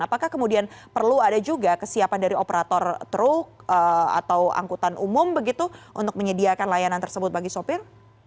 apakah kemudian perlu ada juga kesiapan dari operator truk atau angkutan umum begitu untuk menyediakan layanan tersebut bagi sopir